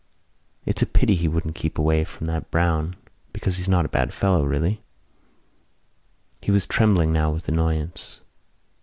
It's a pity he wouldn't keep away from that Browne, because he's not a bad fellow, really." He was trembling now with annoyance.